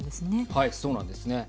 そうなんですね。